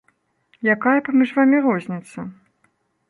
Якая паміж вамі розніца?